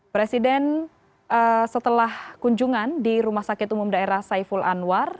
presiden setelah kunjungan di rumah sakit umum daerah saiful anwar